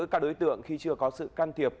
các đối tượng khi chưa có sự can thiệp